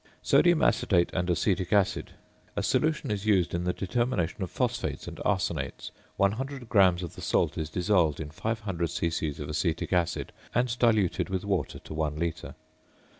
~Sodium Acetate and Acetic Acid.~ A solution is used in the determination of phosphates and arsenates; 100 grams of the salt is dissolved in 500 c.c. of acetic acid, and diluted with water to one litre.